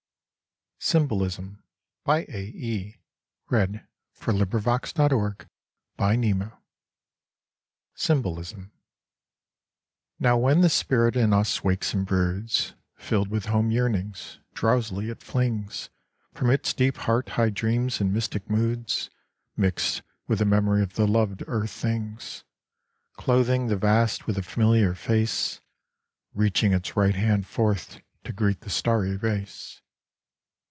upon the whirling rings And through the pilgrimage of pain. 60 NOW when the spirit in us wakes and broods, Filled with home yearnings, drowsily it flings From its deep heart high dreams and mystic moods, Mixed with the memory of the loved earth things : Clothing the vast with a familiar face ; Reaching its right hand forth to greet the starry race.